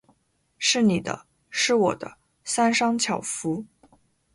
是你的；是我的，三商巧福。